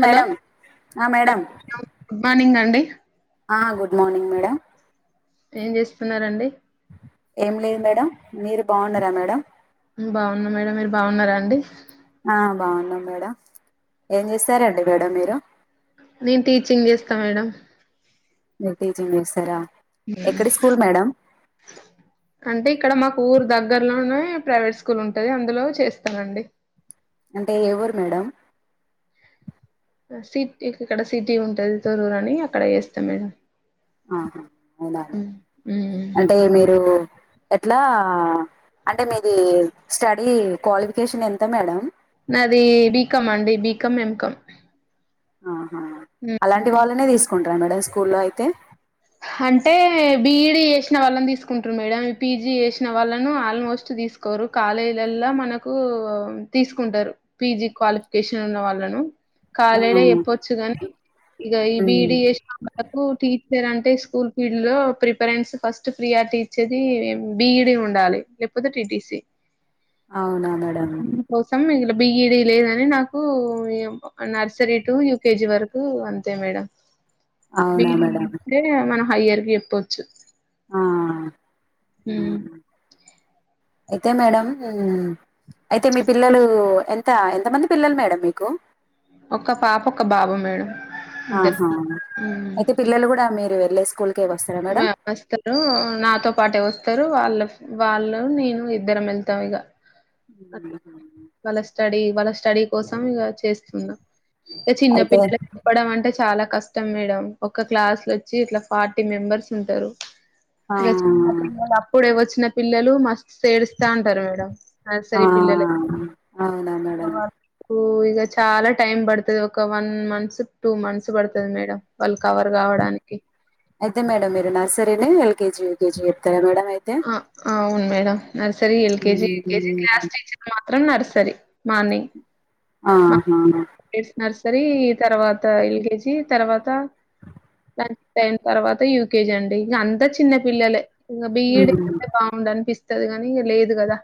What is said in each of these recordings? Hello ఆ madam good morning అండి ఆ గుడ్ మార్నింగ్ మేడం ఏం చేస్తున్నారండి ఏం లేదు మేడం మీరు బాగున్నారా మేడం మేము బాగున్నా మేడం మీరు బాగున్నారా అండి ఆ బాగున్నాం మేడం ఏం చేశారండి మేడం మీరు నేన్ టీచింగ్ చేస్తా మేడం మీరు టీచింగ్ చేస్తారా అ అ అంటే ఇక్కడ మాకు ఊరు దగ్గరలోనే ప్రైవేట్ స్కూల్ ఉంటది అందులో చేస్తానండి అంటే ఏ ఊరు మేడం సిటీ ఇక్కడ సిటీ ఉంటంది తొర్రూరు అని అక్కడ చేస్తా మేడం ఆహా అవునా అంటే మీరు ఎట్లా అంటే మీది స్టడీ క్వాలిఫికేషన్ ఎంత మేడం నాదీ బీకామ్ అండి బీకామ్ ఎంకామ్ ఆహా అలాంటి వాళ్ళనే తీసుకుంటారా మేడం స్కూల్లో అయితే అంటే బీఈడీ చేసిన వాళ్ళను తీసుకుంట్రు మేడం పీజీ చేసిన వాళ్ళను ఆల్మోస్ట్ తీసుకు తీసుకోరు కాలేజీలల్ల మనకు తీసుకుంటరు పీజి క్వాలిఫికేషన్ ఉన్న వాళ్ళను ఆ కాలేడ చెప్పొచ్చు గాని ఇగ ఈ ఉమ్, బిఈడి చేసిన వాళ్ళకు టీచర్ అం స్కూల్ ఫీల్డ్ లో ప్రిఫరెన్స్ ఫస్ట్ ఫ్రీ ఆర్టీ ఇచ్చేది బిఈడి ఉండాలి లేకపోతే టీటీసీ అవునా మేడం కోసం ఇలా బిఇడి లేదని నాకూ ఇగ నర్సరీ టు యూకెజి వరకు అంతే మేడం అవునా బీఈడి మేడం ఐతే హైయర్ కి చెప్పొచ్చు ఆ హు అయితే మేడం అయితే మీ చెప్ పిల్లలు ఎం త ఎంత మంది పిల్లలు మేడం మీకు ఒక్క పాప ఒక్క బాబు మేడం ఇద్దరు ఆహా మ్మ్ అయితే పిల్లలు గుడా మీరు వెళ్ళే స్కూల్కేకె వస్తారా మేడం వస్తరు నాతో పాటే వస్తరు వాళ్ళ వాళ్ళు నేను ఇద్దరం వెళ్తాం ఇగ అట్లా వాళ్ళ స్టడీ వాళ్ళ స్టడీ కోసం చేస్తున్నా ఇ చిన్న అయితే పిల్లలు చెప్పడం అంటే చాలా కష్టం మేడం ఒక క్లాస్ లో వచ్చి ఇట్లా పార్టీ మెంబర్స్ ఉంటారు ఆ ఇగ చిన్న పిల్లల ఇప్పుడే వచ్చిన పిల్లలు మస్త్ ఎడుస్తా ఉంటారు మేడం నర్సరీ పిల్లలలె. ఆహ్ అవునా మేడం. ఇక చాలా టైం పడుతది ఒక వన్ మంత్స్ టూ మంత్స్ పడుతది మేడం. వాళ్ళు కవర్ కావడానికి. అయితే మేడం మీరు నర్సరీని ఎల్కేజీ యుకేజీ పెడతారా మేడం అయితే. ఆ అవును madam nursery LKG UKG class teacher. మాత్రం నర్సరి మార్నింగ్. ఆహ్ ఆహా ఎస్ నర్సరీ తర్వాత ఎల్కేజి తర్వాత. టెన్ తర్వాత యూకేజి అండి ఇంక అంతా చిన్న పిల్లలే ఇక బిఈడి. ముందానిపిస్తాది కాని లేదు కదా.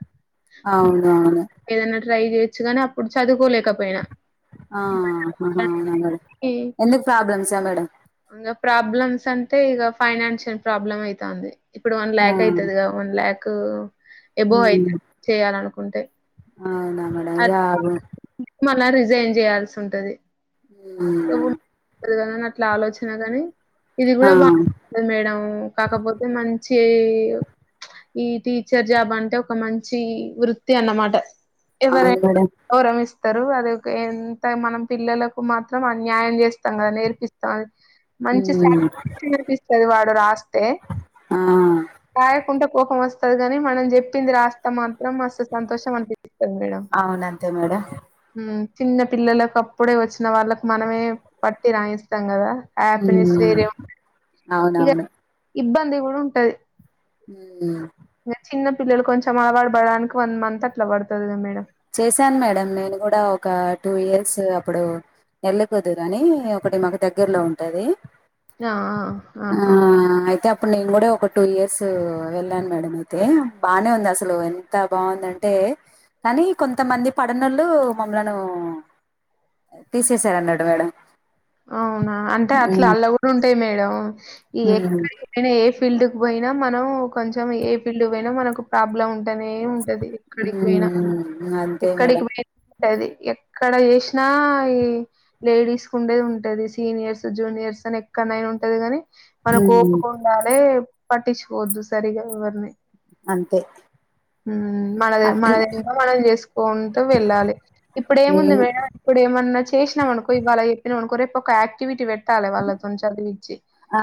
అవును అవును. ఏదైనా ట్రై చేయొచ్చు కానీ అప్పుడు చదువుకోలేకపోయినా. ఇప్పుడు ఆహ అవునా చదువుకోడానికి మేడం ఎందుకు ప్రాబ్లమ్సా మేడం. ఇంగా ప్రాబ్లమ్స్ అంటే ఇగ ఫైనాన్షియల్ ప్రాబ్లమ్ అయితాంది. ఇప్పుడు వన్ ల్యాక్ అయితదిగా వన్ ల్యాక్ ఎబోవ్ అయితది చేయ్యాలనుకుంటే. ఆహ్ అవునా మేడం జాబ్. మల్ల రిజైన్ చేయాల్సి ఉంటది. ఉమ్. కదని అట్లా ఆలోచన కాని ఇది ఆ కూడా బాగు. ఆహ్ మేడంమ్ కాకపోతే మంచి ఈవ్ ఈ టీచర్ జాబ్ అంటే ఒక మంచి వృత్తి అన్నమాట అవును ఎవరైనా. మేడం గౌరమిస్తారు. అది ఒక ఎంత మనం పిల్లలకు మాత్రం అన్యాయం చేస్తాం గా నేర్పి. మంచి మ్మ్ శాలరీ ఈయొచ్చు. ఇగ వాడు రాస్తే ఆ రాయకుండా కోపం వస్తది కాని మనం చెప్పింది రాస్తే. అంతా మాత్రం మస్తు సంతోషం హంది. అవును అంతే మేడం. ఉమ్ చిన్న పిల్లలకు అప్పుడే వచ్చిన వాళ్ళకు మనమే పట్టి రాయిస్తాం కదా. హ్యాపీనెస్ మ్మ్ వేరిమ్ ఇక అవునవును ఇబ్బంది కూడా ఉంటది. ఉమ్ ఉహూ. ఇంకా చిన్న పిల్లలు కొంచం అలవాటు పడానికి వన్ మంత్ అట్లా పడుతది కదా మేడం చేశాను మేడం నేను గుడా ఒక టూ ఇయర్స్ అప్పుడు బో. వెలిపోదు గానీ ఒకటి మాకు దగ్గరలో ఉంటది. ఆ ఆ ఆహా ఆహ్ అయితే అప్. అప్పుడు నేను కూడా ఒక టూ ఇయర్స్ వెళ్ళాను మేడం అయితే బాగానే ఉంది. అసలు ఎంత బాగుందంటే. కానీ కొంతమంది పడనోళ్ళు మమ్ములను. తీసేసారు అన్నాడు మేడం. అవునా అంటే అట్లా మ్మ్ అల్లా కూడా ఉంటాయి మేడం ఈ ఎక్కడ. మ్మ్ అయినా ఏ ఫీల్డ్ కు పోయినా మనం కొంచెం ఏ ఫీల్డ్ పోయినా మనకు ప్రాబ్లం ఉంట ఉంటేనే ఉంటాది ఎక్కడికి పోయినా మ్మ్ అంతే ఎక్కడికి మేడం పోయినా. ఉంటది ఎక్కడ చేసినా ఈ లేడీస్ కు ఉండేది ఉం ఉంటది సీనియర్స్ జూనియర్స్ అని ఎక్కడనైనా ఉంటది గాని మన మ్మ్ కోపం వినాలే పట్టించుకో వద్దు సరిగా ఎవరని. అంతే. మనది అట్ల మనదింకా మనం చేసుకుంటూ వెళ్ళాలి ఇప్పుడు నేను ఏముంది మేడం ఇప్పుడు ఏమన్నా చేసినాం అనుకో ఇవాళ చెప్పినాం అనుకో రేపు ఒక యాక్టివిటీ పె తాల వల్ల తోని చదివిచ్చి. ఆ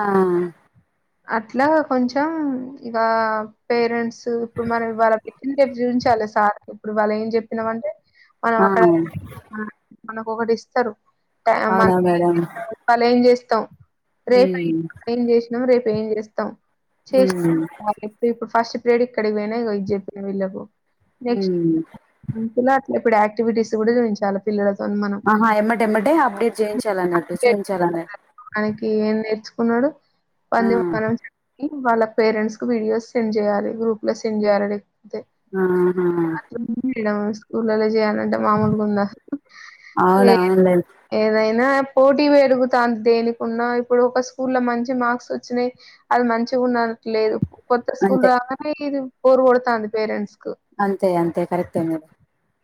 అట్లా కొంచెం ఇక పేరెంట్స్ ఇప్పుడు మనం ఇవాళ పెట్టిన రేపు చూయించాలి సార్ కి ఇప్పుడు వాళ్ళ ఏం చెప్పినాం అంటే ఆ అక్కడగని మ మనకు ఒకటి ఇస్తారు. క మ్ అవునా మేడం. ఇవాళ ఏం చేస్తాం. రేపై హ్మ్ ఏంమ్ చేసినాం రేపు ఏం చేస్తాం. చేస్ హ్మ్ ఆఫ్ ఇట్ ఇప్ ఫస్ట్ ఫ్రీడ్ ఇక్కడికి పోయినాయి. కద జెపు వీళ్ళకు. హ్మ్ గుంపులో అట్లా ఇప్పుడు యాక్టివిటీస్ కూడా చేయించాల పిల్లలతోన మనం ఆహా ఎమ్మటేమ్మటే అప్డేట్ చేయించాలన్నట్టు చూపించాలన్న ఆయనకి ఏం నేర్చుకున్నాడు ఆ [unintelligible] వాళ్ళ పేరెంట్స్ కు వీడియోస్ సెండ్ చేయాలి గ్రూప్ లో సెండ్ చేయాలి లేకపోతే ఊహూ మేడం స్కూల్లో నె చేయాలంటే మాముూలుగుందా. ఏ అవును అవునులేండి ఏదైనా పోటీ పెరుగుతాంది దేనికున్నా ఇప్పుడు ఒక స్కూల్ లో మంచి మార్క్స్ వచ్చినాయి అది మంచిగా ఉండనికి లేదు. కొత్త స్కూల్ అంతే రాగానే. ఇది బోరు కొడతా అంది పేరెంట్స్ కు అంతే అంతే కరెక్టే అది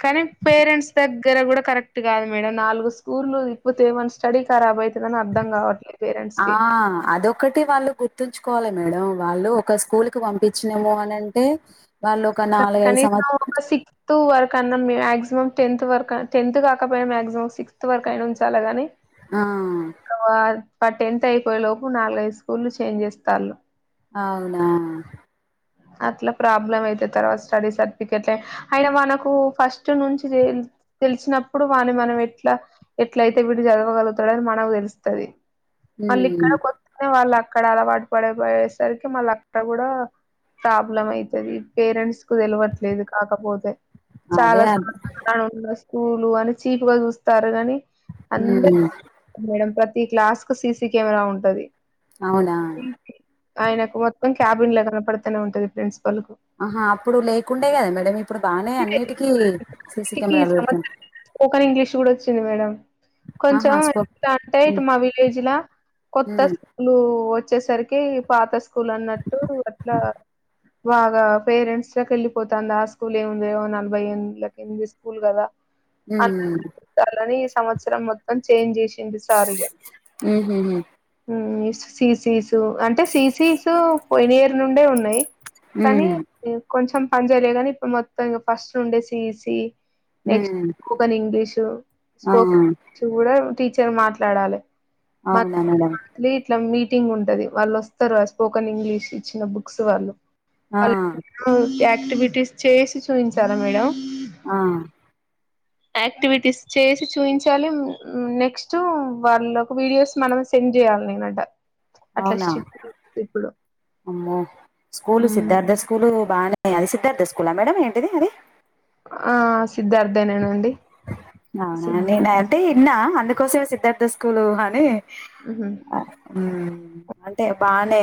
కానీ పేరెంట్స్ దగ్గర కూడా కరెక్ట్ కాదు మేడం నాలుగు స్కూలు ఇపోతేమని స్టడీ కరాబ్ అయితుదని అర్థం కావట్లే పేరెంట్స్ కి ఆ అదొకటి వాళ్ళు గుర్తుంచుకోవాలి మేడం వాళ్ళు ఒక స్కూల్ కి పంపించినము అని అంటే వాళ్ళు ఒక నాలుగైదు సంవత్సరం టూ వరక్ అన్నాం మాక్సిమం టెన్త్ వరక్ టెన్త్ కాకపోయినా మాక్సిమం సిక్స్త్ వరకు అయినా ఉంచాలాగాని ఆ ఇక టెన్త్ అయిపోయే లోపు నాలుగైదు స్కూల్లు చేంజ్ చేస్తళ్ళు అవునా అట్లా ప్రాబ్లమ్ అయితే తర్వాత స్టడీ సర్టిఫికెట్ అయిన మనకు ఫస్ట్ నుంచి చేయిం తెలిసినప్పుడు వాని మనం ఎట్లా ఎట్ల అయితే వీడు చదవగలుగుతాడని మనకు తెలుస్తది మళ్ళీ హ్మ్ ఇక్కడ కొత్తగా వాళ్ళు అక్కడ అలవాటు పడపోయేసరికి మళ్ళ అక్కడ కూడా ప్రాబ్లం అయితది పేరెంట్స్ కు తెలివట్లేదు కాక పోతే అదే చాలా సం అద్ ఫలానా స్కూలు అని చీప్ గా చూస్తారు కాని అందరూ హ్మ్ మేడం ప్రతి క్లాస్ కు సిసి కెమెరా ఉంటది అవునా ఆయనకు మొత్తం క్యాబిన్ లో కనపడుతనే ఉంటది ప్రిన్సిపల్ కు ఆహా అప్పుడు లేకుండే కదా మేడం ఇప్పుడు బానే అన్నిటికీ సీసీ టికి కెమెరాలు పెడుతునయి సంవత్సరం స్పోకన్ ఇంగ్లీష్ కూడా వచ్చింది మేడం ఆహా కొంచెం స్పో ఎలా అంటే ఇటు హ్మ్ మా విలేజ్ కొత్త హ్మ్ లు వచ్చేసరికి పాత స్కూల్ అన్నట్టు అట్లా బాగా పేరెంట్స్ లోక వెళ్ళిపోతంది ఆ స్కూల్ ఏముంది నలభై ఏళ్ల కింది స్కూల్ కదా హ్మ్ సర్లే ని ఈ సంవత్సరం మొత్తం చేంజ్ చేసింది సారిగా ఊహుహు సీసీసు అంటే సీసీసు పోయిన ఇయరు నుండే ఉన్నాయి కానీ హ్మ్ కొంచెం పని చేయలే అని ఇప్పుడు మొత్తం ఇంక ఫస్ట్ ఉండే సిసి హ్మ్ నెక్స్ట్ హ్మ్. స్పోకెన్ ఇంగ్లీషు ఆ స్పోకన్ ఈ కూడా టీచర్ మాట్లాడాలి మ అవునా మేడం లే ఇట్లా మీటింగ్ ఉంటది వాళ్ళు వస్తారు స్పోకన్ ఇంగ్లీష్ ఇచ్చిన బుక్స్ వాళ్ళు ఆ వాళ్ళ యాక్టివిటీస్ చేసి చూయిించారా మేడం ఆ యాక్టివిటీస్ చేసి చూయిించాలి మ్ నెక్స్ట్ వాళ్ళ ఒక వీడియోస్ మనం సెండ్ చేయాలి నేనంట అట్లా అవునా స్ట్రీట్ ఇప్పుడు అమ్మో స్కూలు సిద్ధార్థ స్కూలు బాగానే అది సిద్ధార్థ స్కూలా మేడం ఏంటిది అది ఆ సిద్ధార్థే నేనాండి సిద్ నిడా అందుకోస మే సిద్ధార్థ స్కూలు అని ఉహు ఆ ఉమ్ అంటే బానే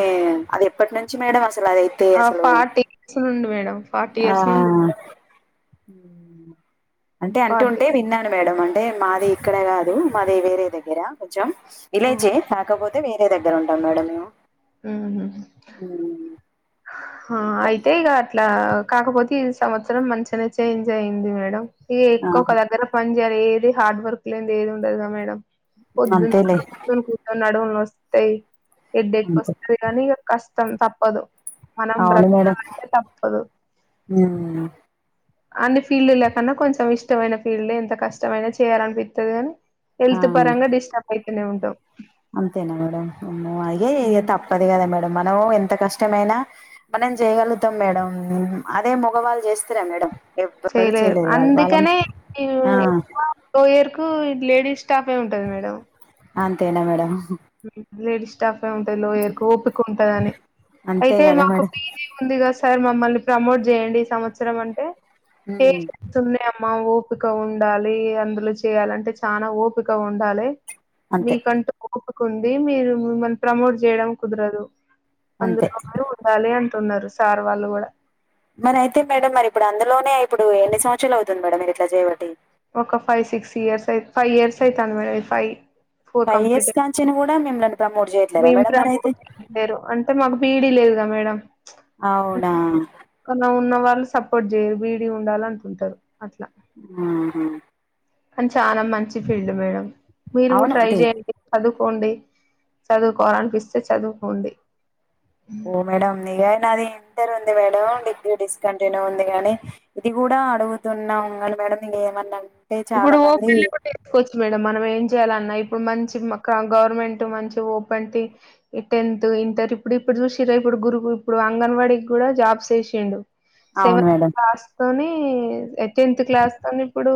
అది ఎప్పటి నుంచి మేడం అసలు అదై ఆ అసలు ఫార్టీ ఇయర్స్ నుండి మేడం ఫార్టీ ఇయర్స్ నుండి అంటే అంటూ ఫార్టీ ఉంటే విన్నాను మేడం అంటే మాది ఇక్కడ కాదు మాది వేరే దగ్గర కొంచెం ఆ విలేజ్ కాకపోతే వేరే దగ్గర ఉంటాం మేడం మేము మ్ మ్ ఉమ్. అయితే ఇగ ఇట్లా కాకపోతే ఈ సంవత్సరం మంచిగానే చేంజ్ అయింది మేడం ఇ ఆ ఎక్కువ ఒక దగ్గర పని చేయాలి ఏది హార్డ్ వర్క్ లేందే ఏది ఉండదుగా మేడం పొద్దు అంతేలే నడువులు నొస్తాయి హెడేక్ అంతే వస్తది కాని కష్టం తప్పదు మనం అవును మేడం బ్రతకాలంటే తప్పదు మ్ అన్ని ఫీల్డ్ లేకున్నా కొంచెం ఇష్టమైన ఫీల్డ్ ఎంత కష్టమైనా చేయాలనిపిత్తది కాని ఆ హెల్త్ పరంగా డిస్టర్బ్ ఐవుతూనే ఉంటాం అంతేనా మేడం ఇ అదే ఉమ్, తప్పదు కదా మేడం మనం ఎంత కష్టమైనా మనం చేయగలుగుతాం మేడం అదే మగవాళ్ళు చేస్తరా మేడం ఎప్పురు చేయలేరు చేయలేరువాళ వాళం అందుకనే ఈ ఆ ఎక్కువ లోయర్ కు లేడీస్ స్టాఫ్ ఏ ఉంటది మేడం అంతే నా మేడం లేడీస్ స్టాఫ్ ఉంటాది లోయర్కు ఓపిక ఉంటందని అంతే అయితే కదా మాకు మేడం ప ఉందిగాదా సార్ మమ్మల్ని ప్రమోట్ చేయండి ఈ సంవత్సరం అంటే హ్మ్. సనె అమ్మ ఓపిక ఉండాలి అందులో చేయాల అంటే చాన ఓపిక ఉండాలె అంతే మీకంటూ ఒపిక ఉంది మీరు మిమ్మల్ని ప్రమోట్ చేయడం కుదరదు అంతే చూడాలి అంటున్నారు సార్ వాళ్ళు కూడా మరి అయితే పేడం మరి ఇప్పుడు అందులోనే ఇప్పుడు ఎన్ని సంవత్సరాలు అవుతుంది మేడమ్రి ఇట్లా చేయబడి ఒక five six years five years అవుతుంది మేడం ఫైవ్ ఫైవ్ ఇయర్స్ కాంచీ కూడా మిమ్మల్ని ప్రమోట్ చేయట్లేరా మేడం మరి అయితే రు అంటే మాకు బీఈడి లేదుగా మేడమ్ అవునవును కొన ఉన్న వాళ్ళు సపోర్ట్ చేయరు బిఈడి ఉండాలనుకుంటారు అట్లా ఊహు కానీ చాలా మంచి ఫీల్డ్ మేడం మీరు కూడా అవును ట్రై డి చేయండి. చదువుకోండి చదువుకోవాలినిపిస్తే చదువుకోండి ఓ మేడం నిగెది ఇంటర్ ఉంది మేడం డిగ్రీ డిస్కంటిన్యూ ఉంది గాని ఇది కూడా అడుగుతున్నా ఉంగి మేడం ఇకేమన్నా ఇప్పుడు ఓపెన్ [unintelligible] కోవచ్చు మేడం మనం ఏం చేయాలన్నా ఇప్పుడు మంచి గవర్నమెంట్ మంచి ఓపెన్టీ టెన్త్ ఇంటర్ ఇప్పుడు ఇప్పుడు చూశిర్ర ఇప్పుడు గురుకు ఇప్పుడు అంగన్వాడీకి కూడా జాబ్స్ ఏషిండు అవును సెవెన్త్ మేడం క్లాస్తోని టెన్త్ క్లాస్తోని ఇప్పుడు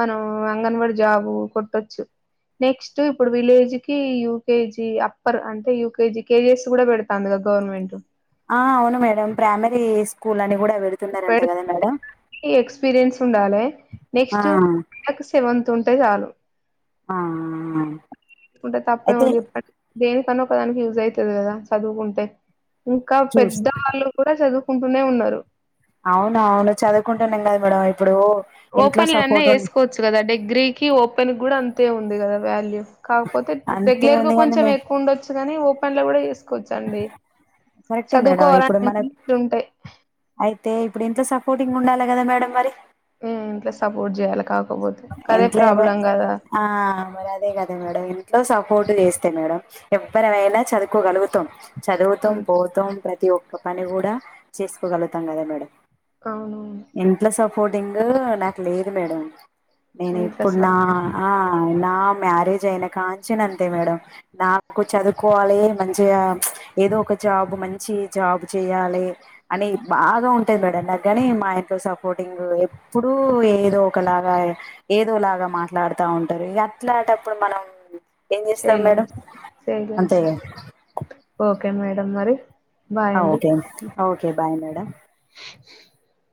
మనం అంగన్వాడి జాబు కొట్టొచ్చు నెక్స్ట్ ఇప్పుడు విలేజ్కి యూకేజీ అప్పర్ అంటే యూకేజీ కేజీఎస్ కూడ పెడ్ తాందిగ గవర్నమెంట్ ఆ అవును మేడం ప్రైమరీ స్కూల్ అని కూడ పెడుతున్నరంట కద మేడం కి ఎక్స్పీరియన్స్ ఉండాలె ఆ నెక్ట్స్ సెవెంత్ ఉంటే చాలు ఆ కుంటే అయితే తప్పేముంది పట్టు దేనికన్న ఒకదానికి యూజ్ అయితది కదా చదువుకుంటే ఇంకా చూస్ పెద్ద వాళ్ళు కూడా చదువుకుంటూనే ఉన్నారు అవునవును చదువుకుంటున్నాం కదా మేడం ఇప్పుడు ఇంట్లో ఓపెన్ల అన్న సపోర్ట్ ఉ చేసుకోవచ్చు కదా డిగ్రీకి ఓపెన్ కూడా అంతే ఉంది కదా వాల్యూ కాకపోతే అంతే రెగ్యులర్గ ఉంది కాని కొంచెం మే ఎక్కువ ఉండొచ్చు కాని ఓపెన్ల కూడ చూ కరెక్టే మేడం ఇప్పుడు చదువుకోవాలంటే మన ఫుల్లు ఉంటయి అయితే ఇప్పుడు ఇంత సపోర్టింగ్ ఉండాలె కద మేడం మరి ఇంట్లో సపోర్ట్ చేయ్యాలి కాకపోతే అదే ఇంట్లో ఎవ ప్రాబ్లం కదా ఆ మరి అదే కదా మేడం ఇంట్లో సపోర్ట్ చేస్తే మేడం ఎవ్వరమైనా చదువుకోగలుగుతం చదువుతం అంతే పోతం ప్రతి ఒక్క పని కూడా చేసుకోగలుగుతం కదా మేడం అవును ఇంట్లో సపోర్టింగ్ నాకు లేదు మేడం నేను ఇంట్లో ఇప్పుడు నా సపోర్ట్ ఆ నా మ్యారేజ్ అయినా కాంచెల్లి అంతే మేడం నాకు చదువుకోవాలి మంచిగా ఏదో ఒక జాబ్ మంచి జాబ్ చెయ్యాలే అని బాగా ఉంటది మేడం నాకు గని మా ఇంట్లో సపోర్టింగ్ ఇప్పుడు ఏదో ఒకలాగా ఏదోలాగా మాట్లాడుతా ఉంటరు ఇగ అట్లాంటప్పుడు మనం ఏం చేస్తం చేయలేం మేడం చేయలేం అంతేగా చేయలేం. ఓకే మేడం మరి ఆ ఓకే ఓకే బాయ్ మేడం ముహామ్